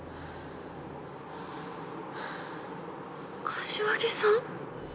柏木さん？